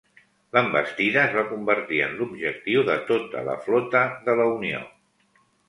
L'envestida es va convertir en l'objectiu de tota la flota de la Unió.